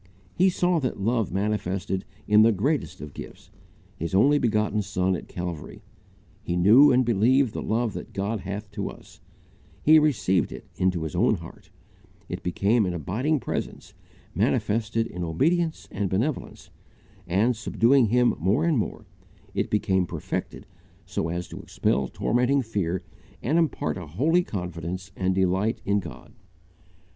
He saw that love manifested in the greatest of gifts His only begotten Son at Calvary he knew and believed the Love that God hath to us; he received it into his own heart; it became an abiding presence, manifested in obedience and benevolence, and, subduing him more and more, it became perfected so as to expel tormenting fear and impart a holy confidence and delight in God.